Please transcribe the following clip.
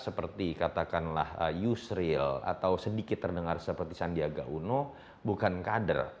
seperti katakanlah yusril atau sedikit terdengar seperti sandiaga uno bukan kader